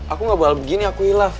aku gak boleh begini aku hilaf